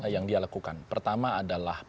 yang dia lakukan pertama adalah